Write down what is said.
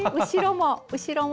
後ろも。